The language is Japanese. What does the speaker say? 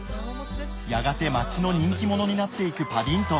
やがて街の人気者になっていくパディントン。